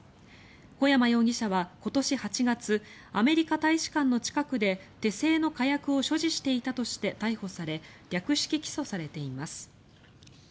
小山容疑者は、今年８月アメリカ大使館の近くで手製の火薬を所持していたとして逮捕され略式起訴されています。